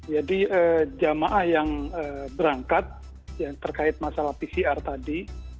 jadi jemaah yang berangkat yang terkait masalah pcr tadi